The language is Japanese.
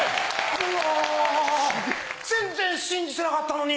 うわぁ全然信じてなかったのに。